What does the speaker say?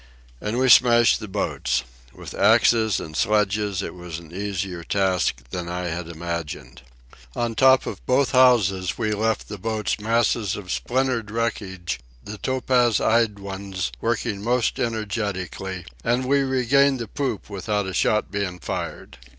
And we smashed the boats. With axes and sledges it was an easier task than I had imagined. On top of both houses we left the boats masses of splintered wreckage, the topaz eyed ones working most energetically; and we regained the poop without a shot being fired.